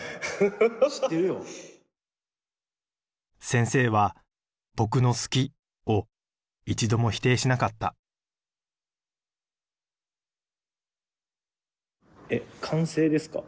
先生は僕の「好き」を一度も否定しなかったえ完成ですか？